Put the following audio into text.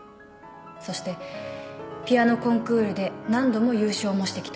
そしてピアノコンクールで何度も優勝もしてきた。